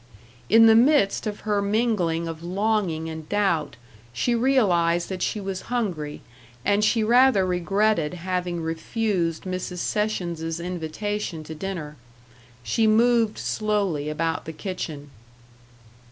In the midst of her mingling of longing and doubt she realized that she was hungry, and she rather regretted having refused Mrs. Sessions's invitation to dinner. She moved slowly about the kitchen.